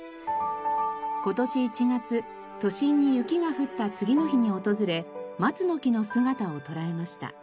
今年１月都心に雪が降った次の日に訪れ松の木の姿をとらえました。